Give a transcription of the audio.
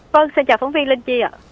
vâng xin chào phóng viên linh chi ạ